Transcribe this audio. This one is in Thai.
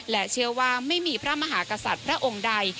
และเชื่อว่าไม่มีพระมหากษัตริย์พระองค์ใด